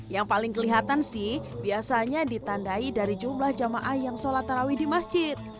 yang paling kelihatan sih biasanya ditandai dari jumlah jamaah yang sholat tarawih di masjid